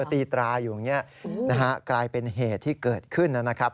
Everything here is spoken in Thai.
ตีตราอยู่อย่างนี้นะฮะกลายเป็นเหตุที่เกิดขึ้นนะครับ